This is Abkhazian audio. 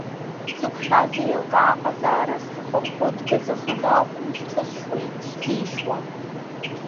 Дзықәшәаз еилкаа аҟазаара зҭахымхо, дгаӡаханы акәым зҽызшьуа иҽзишьуа.